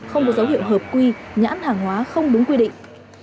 không có dấu hiệu hợp quy nhãn hàng hóa không đúng quy định